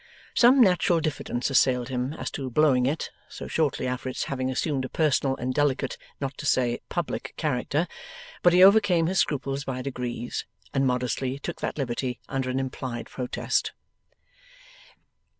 Some natural diffidence assailed him as to blowing it, so shortly after its having assumed a personal and delicate, not to say public, character; but he overcame his scruples by degrees, and modestly took that liberty under an implied protest.